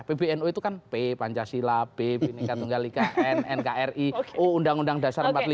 pbnu itu kan p pancasila p b b b n nkri u undang undang dasar empat puluh lima